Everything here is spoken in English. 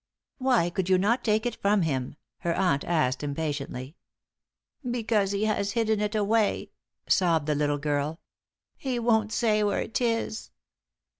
"Why could you not take it from him?" her aunt asked, impatiently. "Because he has hidden it away," sobbed the little girl. "He won't say where it is."